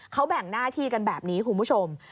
เขาแบ่งหน้าที่กันแบบนี้คุณผู้ชม